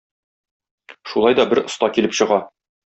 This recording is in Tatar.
Шулай да бер оста килеп чыга.